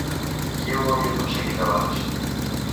Qui ho havia aconseguit abans?